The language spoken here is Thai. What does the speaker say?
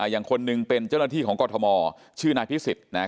อย่างคนหนึ่งเป็นเจ้าหน้าที่ของกรทมชื่อนายพิสิทธิ์นะฮะ